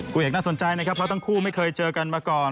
เอกน่าสนใจนะครับเพราะทั้งคู่ไม่เคยเจอกันมาก่อน